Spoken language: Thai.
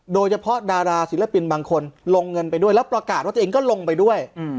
โดยเฉพาะดาราศิลปินบางคนลงเงินไปด้วยแล้วประกาศว่าตัวเองก็ลงไปด้วย